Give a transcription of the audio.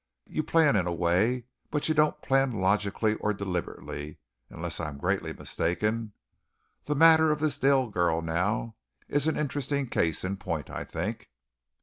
You plan in a way, but you don't plan logically or deliberately, unless I am greatly mistaken. The matter of this Dale girl now is an interesting case in point, I think."